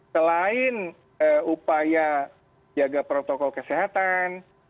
selain upaya jaga protokol kesehatan